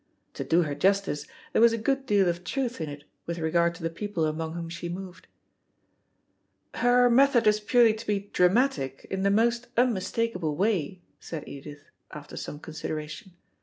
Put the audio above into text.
To do her justice, there was a good deal of truth in it with regard to the people among whom she moved. "Her method is purely to be dramatic, in the most unmistakable way," said Edith, after some consideration.